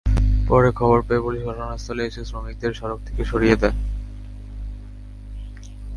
পরে খবর পেয়ে পুলিশ ঘটনাস্থলে এসে শ্রমিকদের সড়ক থেকে সরিয়ে দেয়।